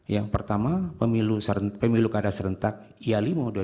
yang pertama pemilu kada serentak ia lima dua ribu dua puluh